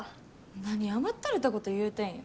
何甘ったれたこと言うてんや。